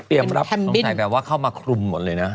เปรียบรับตรงไทยเข้ามาคลุมหมดเลยนะ